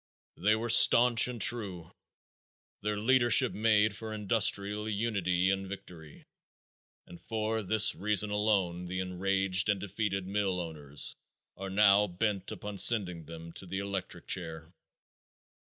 They were staunch and true; their leadership made for industrial unity and victory, and for this reason alone the enraged and defeated mill owners are now bent upon sending them to the electric chair.